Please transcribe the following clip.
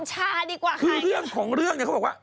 ชาดีกว่าคือเรื่องของเรื่องเขาบอกว่า